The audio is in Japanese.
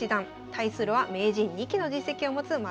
対するは名人２期の実績を持つ丸山九段です。